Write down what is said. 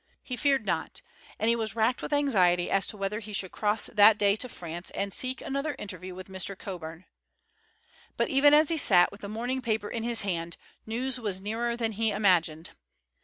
He feared not, and he was racked with anxiety as to whether he should cross that day to France and seek another interview with Mr. Coburn. But, even as he sat with the morning paper in his hand, news was nearer than he imagined.